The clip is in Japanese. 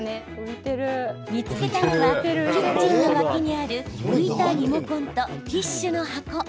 見つけたのはキッチンの脇にある浮いたリモコンとティッシュの箱。